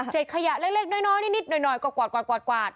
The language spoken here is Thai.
เสร็จขยะเล็กน้อยนิดหน่อยกวาดกวาดกวาดกวาด